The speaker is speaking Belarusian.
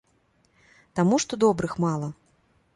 Таму што добрых мала.